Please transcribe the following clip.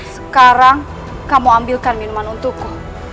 sekarang kamu ambilkan minuman untukku